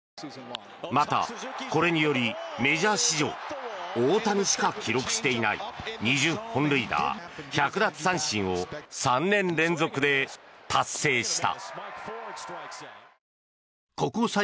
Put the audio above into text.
また、これによりメジャー史上大谷しか記録していない２０本塁打、１００奪三振を３年連続で達成した。